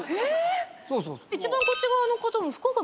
一番こっち側の方も福岡？